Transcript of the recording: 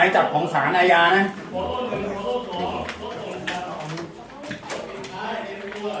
ตำรวจแห่งมือ